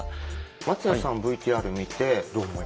松谷さんＶＴＲ見てどう思いましたか？